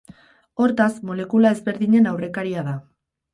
Hortaz, molekula ezberdinen aurrekaria da.